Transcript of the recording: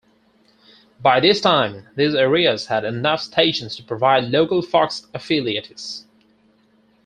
By this time, these areas had enough stations to provide local Fox affiliates.